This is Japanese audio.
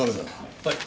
はい。